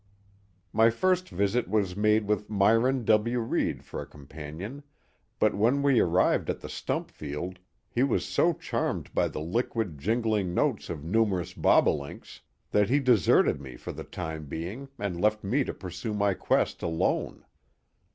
My first visit was made with Myron W. Reid for a com panion, but when we arrived at the stump field, he was so charmed by the liquid, jingling notes of numerous bobolinks, that he deserted me for the time being and left me to pursue my quest alone.